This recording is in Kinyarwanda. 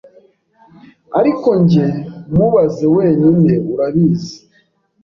Ariko njye Mubaze wenyine Urabizi